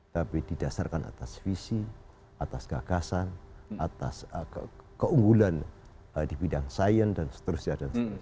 tapi didasarkan atas visi atas gagasan atas keunggulan di bidang sains dan seterusnya